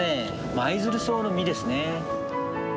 マイヅルソウの実ですね。